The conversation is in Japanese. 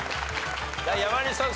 山西さん